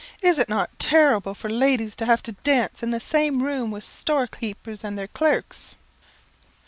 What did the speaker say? Is it not terrible for ladies to have to dance in the same room with storekeepers and their clerks?"